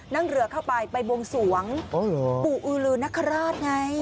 นั่งเรือไปกลงสวงปุอือลือนราชไง